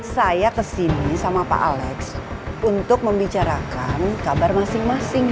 saya kesini sama pak alex untuk membicarakan kabar masing masing